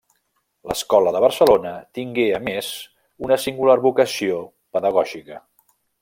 L'Escola de Barcelona tingué, a més, una singular vocació pedagògica.